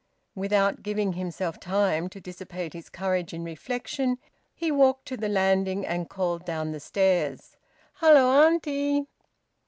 Without giving himself time to dissipate his courage in reflection, he walked to the landing, and called down the stairs, "Hello, Auntie!"